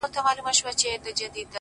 څنگه دي زړه څخه بهر وباسم؛